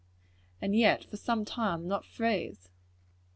] and yet for some time not freeze?